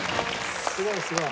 すごいすごい。